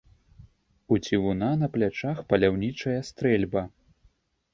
У цівуна на плячах паляўнічая стрэльба.